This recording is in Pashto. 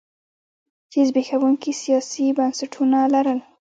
چې زبېښونکي سیاسي بنسټونه لرل.